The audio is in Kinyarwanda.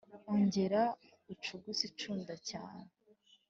Ongera ucuguse incunda cyane